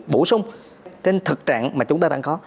bổ sung trên thực trạng mà chúng ta đang có